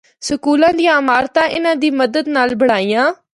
سکولاں دیاں عمارتاں اِناں دی مدد نال بنڑائیاں۔